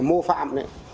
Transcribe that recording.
mô phạm đấy